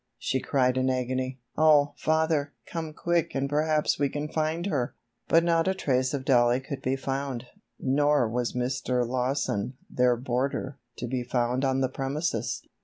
she cried in agony. "Oh, father, come quick and perhaps we can find her!" But not a trace of Dollie could be found, nor was Mr. Lawson, their boarder, to be found on the premises.